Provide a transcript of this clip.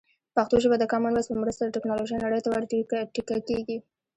پښتو ژبه د کامن وایس په مرسته د ټکنالوژۍ نړۍ ته ور ټيکه کېږي.